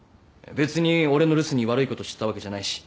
べつに俺の留守に悪いことしてたわけじゃないし。